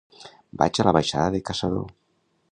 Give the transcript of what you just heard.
Vaig a la baixada de Caçador.